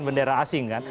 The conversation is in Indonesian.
bendera asing kan